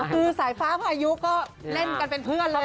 คือสายฟ้าพายุก็เล่นกันเป็นเพื่อนเลย